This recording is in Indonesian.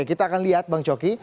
kita akan lihat bang coki